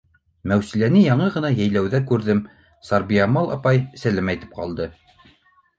— Мәүсиләне яңы ғына йәйләүҙә күрҙем, Сәрбиямал апай, сәләм әйтеп ҡалды